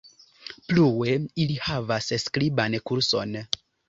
Plue, ili havis skriban kurson.